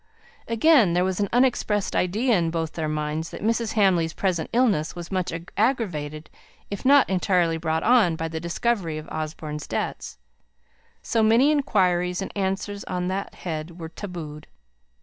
Again, there was an unexpressed idea in both their minds that Mrs. Hamley's present illness was much aggravated, if not entirely brought on, by the discovery of Osborne's debts; so, many inquiries and answers on that head were tabooed.